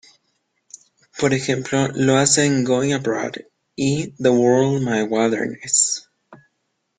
Por ejemplo, lo hace en "Going Abroad" y "The World My Wilderness".